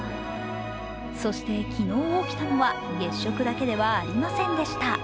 そして昨日起きたのは、月食だけではありませんでした。